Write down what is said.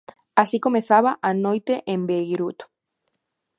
Así comezaba a noite en Beirut.